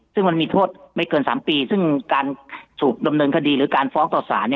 ซึ่งมันมีโทษไม่เกิน๓ปีซึ่งการถูกดำเนินคดีหรือการฟ้องต่อสาร